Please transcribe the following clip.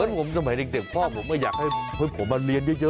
เพราะผมสมัยเด็กพ่อผมไม่อยากให้พ่อมาเรียนเยอะ